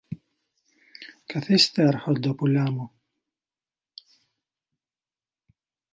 Καθίστε, αρχοντόπουλά μου.